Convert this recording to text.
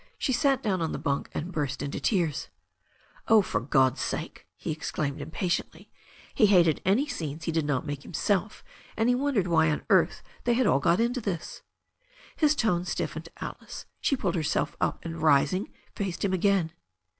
She sat down on the bunk and burst into tears. "Oh, for God's sake," he exclaimed impatiently. He hated any scenes he did not make himself, and he wondered why on earth they had all got into this. His tone stiffened Alice. She pulled herself up, and rising, faced him again.